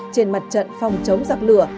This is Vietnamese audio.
trên mặt trận phòng chống giặc lửa